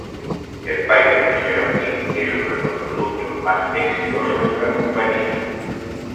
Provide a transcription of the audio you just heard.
El Piper Cherokee es uno de los productos más exitosos de la compañía.